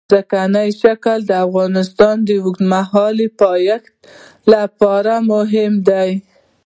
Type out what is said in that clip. ځمکنی شکل د افغانستان د اوږدمهاله پایښت لپاره مهم رول لري.